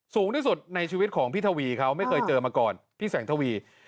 สูงที่สุดในชีวิตของพี่ทวีเขาไม่เคยเจอมาก่อนพี่แสงทวี